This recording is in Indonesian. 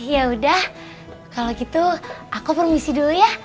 ya udah kalau gitu aku permisi dulu ya